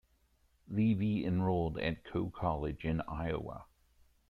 Levy enrolled at Coe College in Iowa.